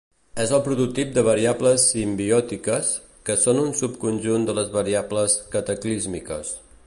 És el prototip de variables simbiòtiques, que són un subconjunt de les variables cataclísmiques.